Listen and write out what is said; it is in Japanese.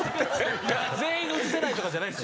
全員映せないとかじゃない？